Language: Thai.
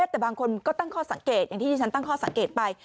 แต่บางคนก็ตั้งข้อสังเกตอย่างที่ฉันไป